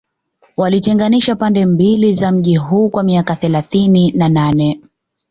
Walitenganisha pande mbili za mji huu kwa miaka thelathini na nane